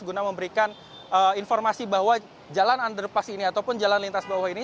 guna memberikan informasi bahwa jalan underpass ini ataupun jalan lintas bawah ini